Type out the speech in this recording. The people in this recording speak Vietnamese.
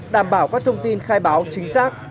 đảm bảo các thông tin khai báo chính xác